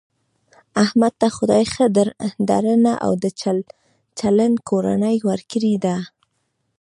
احمد ته خدای ښه درنه او د چل چلن کورنۍ ورکړې ده .